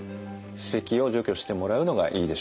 歯石を除去してもらうのがいいでしょう。